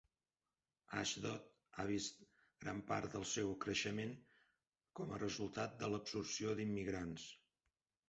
Ashdod ha vist gran part del seu creixement com a resultat de l'absorció d'immigrants.